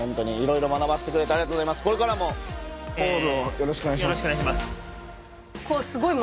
よろしくお願いします。